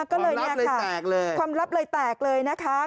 ความลับเลยแตกเลยค่ะความลับเลยแตกเลยนะคะ